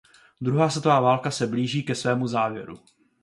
Druhá světová válka se blíží ke svému závěru.